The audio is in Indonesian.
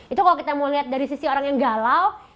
itu kalau kita mau lihat dari sisi orang yang galau